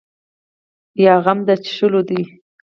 یا غم د څښلو ده.